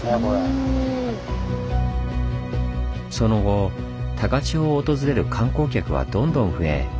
その後高千穂を訪れる観光客はどんどん増え